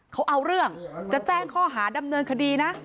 เขาเอาเรื่องจะแจ้งข้อหาดำเนินคดีนะ